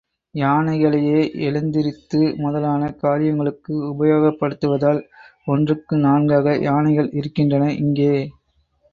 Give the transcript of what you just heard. யானைகளையே எழுந்திருத்து முதலான காரியங்களுக்கு உபயோகப் படுத்துவதால் ஒன்றுக்கு நான்காக யானைகள் இருக்கின்றன இங்கே.